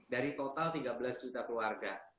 dari total tiga belas juta keluarga